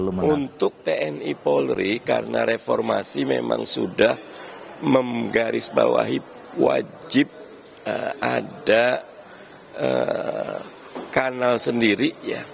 untuk tni polri karena reformasi memang sudah menggarisbawahi wajib ada kanal sendiri